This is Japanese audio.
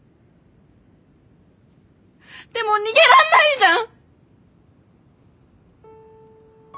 でも逃げらんないじゃん！